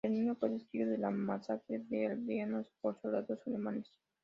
De niño fue testigo de una masacre de aldeanos por soldados alemanes.